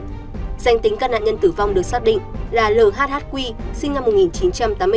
danh tính các nạn nhân tử vong được xác định là l h h quy sinh năm một nghìn chín trăm tám mươi chín